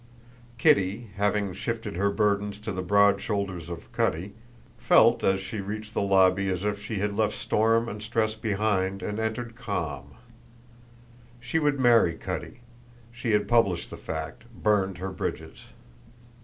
Kitty, having shifted her burdens to the broad shoulders of Cutty, felt as she reached the lobby as if she had left storm and stress behind and entered calm. She would marry Cutty; she had published the fact, burned her bridges.